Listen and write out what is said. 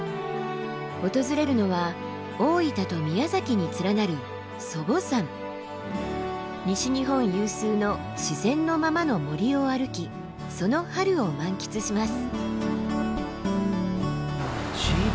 訪れるのは大分と宮崎に連なる西日本有数の自然のままの森を歩きその春を満喫します。